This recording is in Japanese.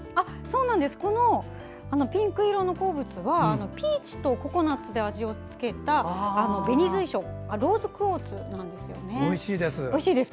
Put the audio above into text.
このピンク色の鉱物はピーチとココナツで味をつけた紅水晶ローズクオーツなんです。